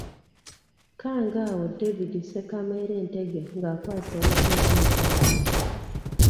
Kangaawo David Ssekamere Ntege ng'akwasa omutuuze ekyapa.